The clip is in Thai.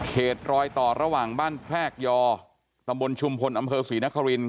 เหตุรอยต่อระหว่างบ้านแพร่อะชุมพลอำเภอศรีนครินทร์